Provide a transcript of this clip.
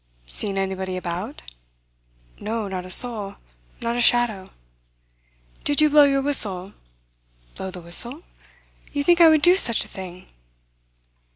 "Seen anybody about?" "No, not a soul. Not a shadow." "Did you blow your whistle?" "Blow the whistle? You think I would do such a thing?"